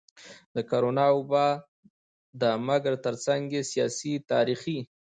د کرونا وبا ده مګر ترڅنګ يې سياسي, تاريخي,